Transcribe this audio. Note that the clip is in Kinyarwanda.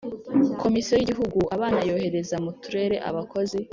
Komisiyo y’Igihugu abana yohereza mu Turere abakozi